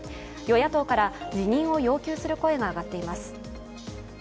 与野党から辞任を要求する声が上がっています。